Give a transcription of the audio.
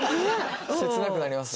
切なくなります？